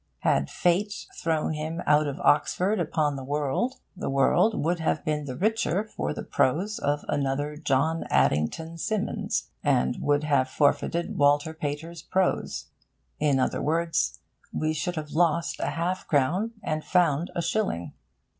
Had Fate thrown him out of Oxford upon the world, the world would have been the richer for the prose of another John Addington Symonds, and would have forfeited Walter Pater's prose. In other words, we should have lost a half crown and found a shilling.